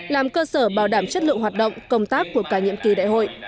làm cơ sở bảo đảm chất lượng hoạt động công tác của cả nhiệm kỳ đại hội